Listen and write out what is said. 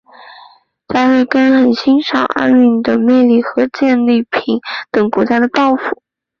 加瑞根很欣赏阿敏的魅力和建立平等国家的抱负。